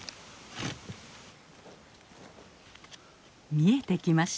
見えてきました。